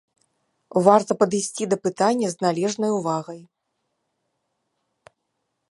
Варта падысці да пытання з належнай увагай.